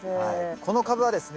このカブはですね